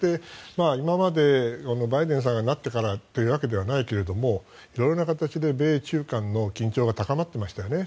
今までバイデンさんがなってからではないけど色々な形で米中間の緊張が高まってましたよね。